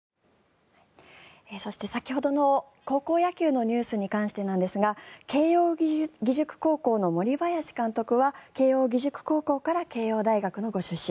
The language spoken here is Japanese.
そして先ほどの高校野球のニュースに関してなんですが慶応義塾高校の森林監督は慶応義塾高校から慶應大学のご出身。